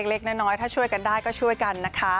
เล็กน้อยถ้าช่วยกันได้ก็ช่วยกันนะคะ